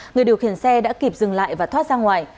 người điều khiển xe đã kịp dừng lại và thoát ra ngoài